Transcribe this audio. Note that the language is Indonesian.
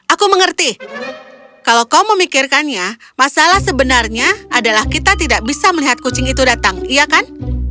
aku mengerti kalau kau memikirkannya masalah sebenarnya adalah kita tidak bisa melihat kucing itu datang iya kan